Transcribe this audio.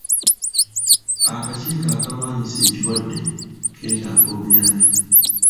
Akakiiko akalwanyisa ekirwadde keetaaga obuyambi.